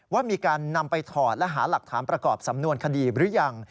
ว่ามีการนำไปถอดและหาหลักฐานประกอบสำนวนคดีหรือยัง